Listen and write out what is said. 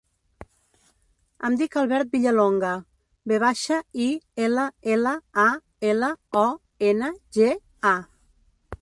Em dic Albert Villalonga: ve baixa, i, ela, ela, a, ela, o, ena, ge, a.